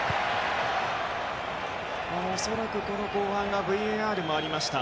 恐らく後半はＶＡＲもありました。